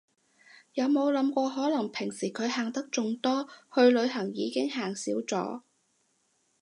有冇諗過可能平時佢行得仲多，去旅行已經行少咗